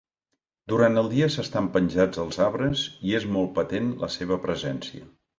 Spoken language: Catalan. Durant el dia s'estan penjats als arbres i és molt patent la seva presència.